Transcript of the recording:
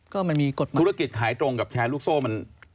ขายตรงกับขายลูกโซ่มัน